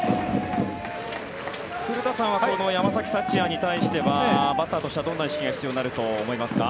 古田さんはこの山崎福也に対してはバッターとしてはどんな意識が必要になると思いますか。